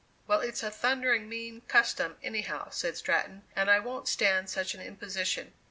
"Well, it's a thundering mean custom, any how," said Stratton, "and I wont stand such an imposition."